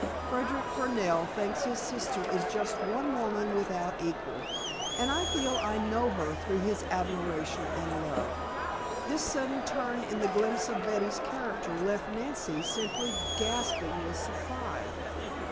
Frederic Fernell thinks his sister is just one woman without equal, and I feel I know her through his admiration and love " This sudden turn in the glimpse of Betty's character left Nancy simply gasping with surprise.